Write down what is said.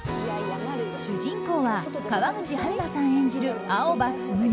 主人公は川口春奈さん演じる青羽紬。